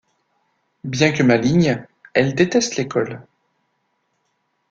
Bien que maligne, elle déteste l'école.